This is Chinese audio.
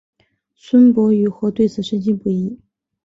孙傅与何对此深信不疑。